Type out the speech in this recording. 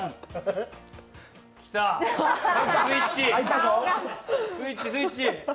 来た、スイッチ、スイッチ。